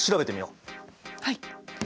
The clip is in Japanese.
はい。